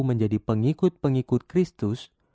menjadi pengikut pengikut kristus